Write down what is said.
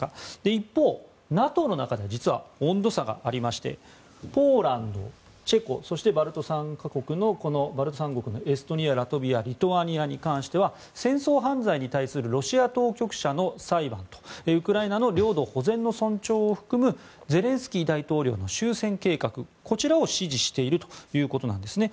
一方、ＮＡＴＯの中でも実は温度差がありましてポーランド、チェコそしてバルト三国のエストニアラトビア、リトアニアに関しては戦争犯罪に対するロシア当局者の裁判とウクライナの領土保全の尊重を含むゼレンスキー大統領の終戦計画こちらを支持しているということなんですね。